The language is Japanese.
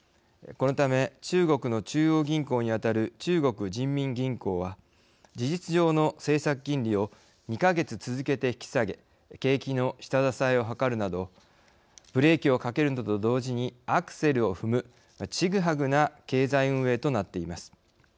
このため中国の中央銀行に当たる中国人民銀行は事実上の政策金利を２か月続けて引き下げ景気の下支えを図るなどブレーキをかけるのと同時にアクセルを踏むちぐはぐな経済運営となっています。